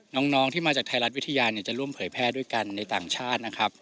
น้องที่มาจากไทยรัฐวิทยาเนี่ยจะร่วมเผยแพร่ด้วยกันในต่างชาตินะครับ